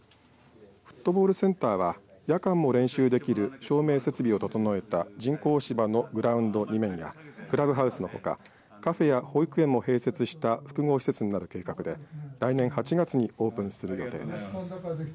フットボールセンターは夜間も練習できる照明設備を整えた人工芝のグラウンド２面やクラブハウスのほかカフェや保育園も併設した複合施設になる計画で来年８月にオープンする計画です。